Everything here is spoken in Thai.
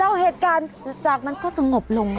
แล้วเหตุการณ์จากนั้นก็สงบลง